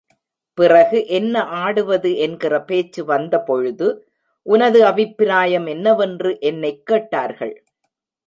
பிறகு என்ன ஆடுவது என்கிற பேச்சு வந்த பொழுது, உனது அபிப்பிராயம் என்னவென்று என்னைக் கேட்டார்கள்.